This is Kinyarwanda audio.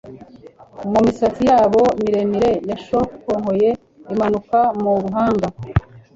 Mu misatsi yabo miremire yashokonkoye imanuka mu ruhanga,